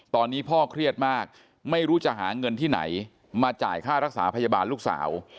ตอนนี้พ่อเครียดมากไม่รู้จะหาเงินที่ไหนมาจ่ายค่ารักษาพยาบาลลูกสาว